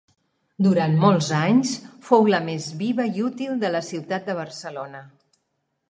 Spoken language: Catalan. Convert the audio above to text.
Durant molts anys fou la més viva i útil de la ciutat de Barcelona.